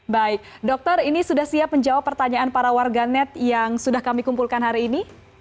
baik dokter ini sudah siap menjawab pertanyaan para warganet yang sudah kami kumpulkan hari ini